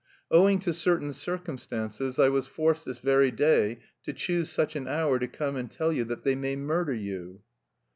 "Owing to certain circumstances I was forced this very day to choose such an hour to come and tell you that they may murder you."